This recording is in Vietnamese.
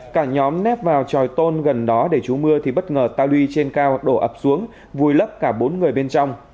cả nhóm nép vào tròi tôn gần đó để chú mưa thì bất ngờ ta lui trên cao đổ ập xuống vùi lấp cả bốn người bên trong